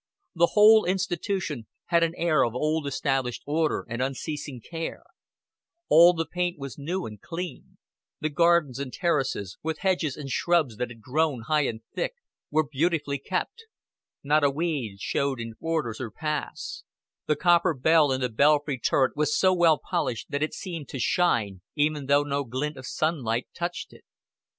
The whole institution had an air of old established order and unceasing care; all the paint was new and clean; the gardens and terraces, with hedges and shrubs that had grown high and thick, were beautifully kept; not a weed showed in borders or paths; the copper bell in the belfry turret was so well polished that it seemed to shine, even though no glint of sunlight touched it.